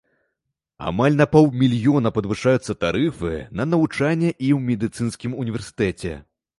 Амаль на паўмільёна падвышаюцца тарыфы на навучанне і ў медыцынскім універсітэце.